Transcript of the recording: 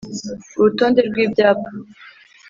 urutonde rw'ibyapa